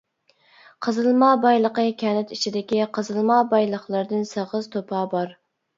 قېزىلما بايلىقى كەنت ئىچىدىكى قېزىلما بايلىقلىرىدىن سېغىز توپا بار.